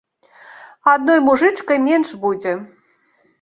Адной мужычкай менш будзе.